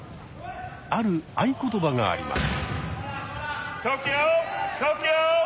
ある「合言葉」があります。